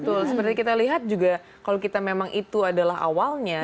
betul seperti kita lihat juga kalau kita memang itu adalah awalnya